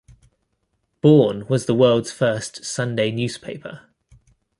Bourne, was the world's first Sunday newspaper.